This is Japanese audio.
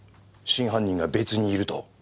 真犯人が別にいると。